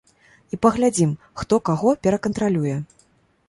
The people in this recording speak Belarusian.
І паглядзім, хто каго перакантралюе.